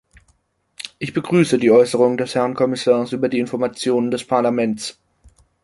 Ich begrüße die Äußerungen des Herrn Kommissars über die Information des Parlaments.